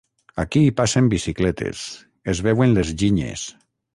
Aquí hi passen bicicletes, es veuen les ginyes.